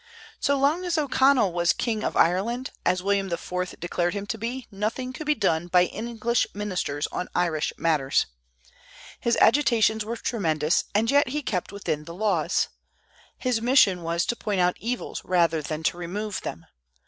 So long as O'Connell was "king of Ireland," as William IV declared him to be, nothing could be done by English ministers on Irish matters. His agitations were tremendous, and yet he kept within the laws. His mission was to point out evils rather than to remove them.